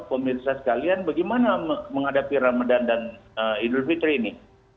pemirsa sekalian bagaimana menghadapi ramadan dan idul fitri ini